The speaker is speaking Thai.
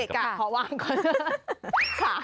เก๊กราบขอวางก่อน